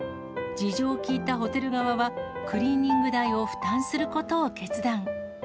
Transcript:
事情を聞いたホテル側は、クリーニング代を負担することを決断。